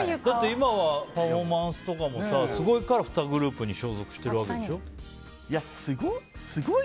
今はパフォーマンスとかもすごいから、２グループに所属してるわけでしょ。